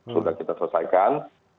sudah kita selesaikan